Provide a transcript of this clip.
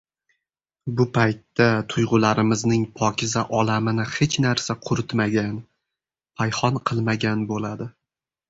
bu paytda tuygʻularimizning pokiza olamini hech narsa quritmagan, payhon qilmagan boʻladi.